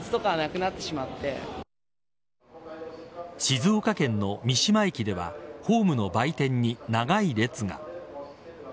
静岡県の三島駅ではホームの売店に長い列が。